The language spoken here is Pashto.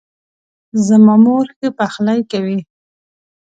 زما مور ښه پخلۍ کوي